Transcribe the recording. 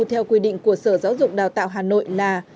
theo quy định của sở giáo dục đào tạo hà nội là